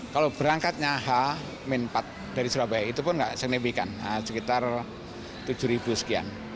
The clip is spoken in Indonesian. kalau berangkatnya h min empat dari surabaya itu pun tidak signifikan sekitar tujuh sekian